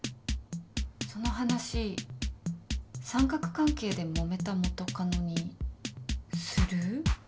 その話三角関係でもめた元カノにする？